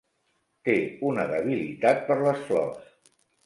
Té una debilitat per les flors.